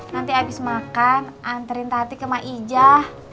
nanti abis makan anterin tati ke maizah